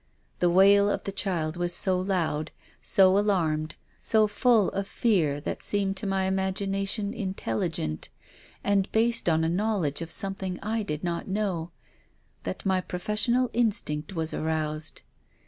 The wail of the child was so loud, so alarmed, so full of a fear that seemed to my imagination intel ligent, and based on a knowledge of something I did not know, that my professional instinct was aroused.